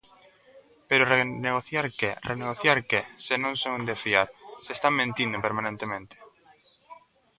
Pero renegociar ¿que?, renegociar ¿que?, se non son de fiar, se están mentindo permanentemente.